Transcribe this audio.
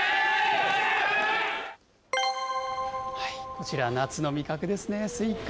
こちら、夏の味覚ですね、すいか。